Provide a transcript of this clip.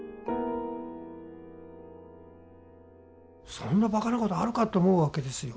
そんなばかなことあるかって思うわけですよ。